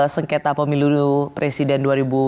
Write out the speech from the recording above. sengketa pemilu presiden dua ribu sembilan belas